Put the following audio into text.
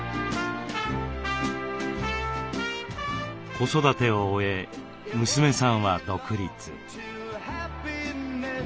子育てを終え娘さんは独立。